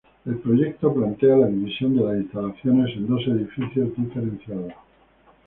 El proyecto plantea la división de las instalaciones en dos edificios diferenciados.